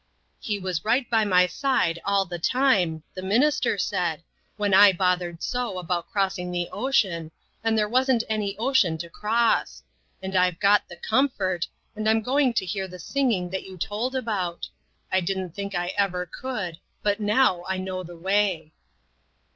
" He was right by my side all the time, the minister said, when I bothered so about crossing the ocean, and there wasn't any ocean to cross ; and I've got the comfort, and I'm going to hear the singing that you told about. I didn't think I ever could, but now I know the "way."